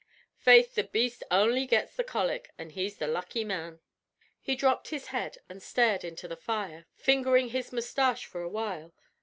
Faith, the beast only gets the colic, an' he's the lucky man." He dropped his head and stared into the fire, fingering his mustache the while.